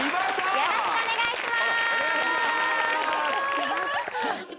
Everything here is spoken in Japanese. よろしくお願いします